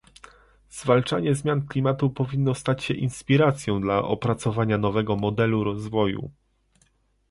Zwalczanie zmian klimatu powinno stać się inspiracją dla opracowania nowego modelu rozwoju